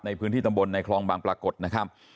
ในพื้นที่ตำบลในคลองบางปรากฏนะครับ